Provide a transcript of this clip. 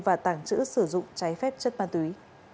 và tàng trữ sử dụng trái phép chất ma túy